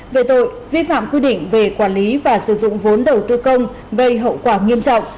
về tội vi phạm quy định về quản lý và sử dụng vốn đầu tư công gây hậu quả nghiêm trọng